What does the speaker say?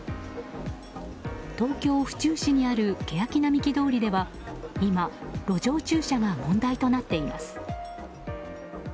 東京・府中市にあるけやき並木通りでは今、路上駐車が問題となっています。